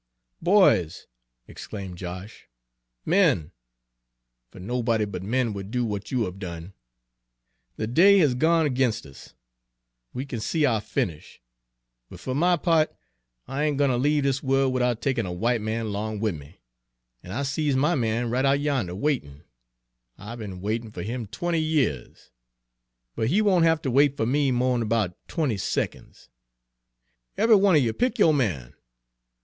"Boys!" exclaimed Josh, "men! fer nobody but men would do w'at you have done, the day has gone 'g'inst us. We kin see ou' finish; but fer my part, I ain' gwine ter leave dis worl' widout takin' a w'ite man 'long wid me, an' I sees my man right out yonder waitin', I be'n waitin' fer him twenty years, but he won' have ter wait fer me mo' 'n 'bout twenty seconds. Eve'y one er you pick yo' man!